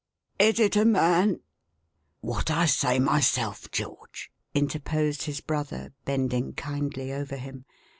" Is it a man ?" "What I say myself, George," interposed his brother, bending kindly over him.